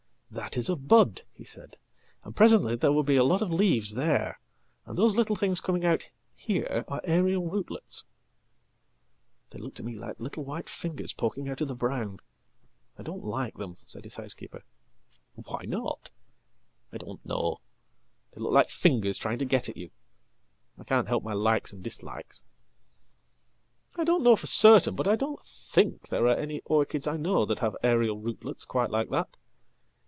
"That is a bud," he said, "and presently there will be a lot of leavesthere, and those little things coming out here are aerial rootlets.""They look to me like little white fingers poking out of the brown," saidhis housekeeper. "I don't like them.""Why not?""I don't know. They look like fingers trying to get at you. I can't helpmy likes and dislikes.""I don't know for certain, but I don't think there are any orchidsI know that have aerial rootlets quite like that.